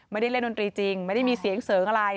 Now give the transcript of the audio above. ไม่ได้เล่นดนตรีจริงไม่ได้มีเสียงเสริงอะไร